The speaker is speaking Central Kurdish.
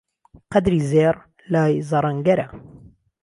قهدری زێڕ لا ی زهڕهنگهره